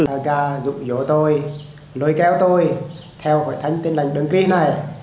aga dụ dỗ tôi lôi kéo tôi theo hội thánh tên lành đơn ký này